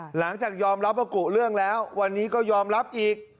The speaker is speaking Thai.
หลังจากยอมรับว่ากุเรื่องแล้ววันนี้ก็ยอมรับอีก